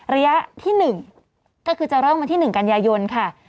ระยะที่๑ก็คือจะเริ่มวันที่๑กันยายนค่ะ